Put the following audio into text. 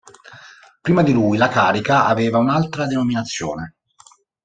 Prima di lui la carica aveva un'altra denominazione.